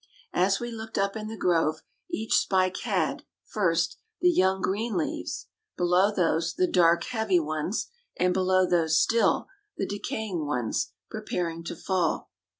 As we looked up in the grove, each spike had, first, the young green leaves; below those, the dark, heavy ones; and below those still, the decaying ones, preparing to fall.